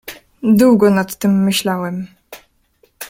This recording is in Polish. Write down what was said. Długo nad tym myślałem.